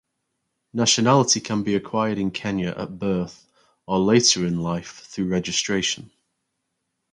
Nationality can be acquired in Kenya at birth or later in life through registration.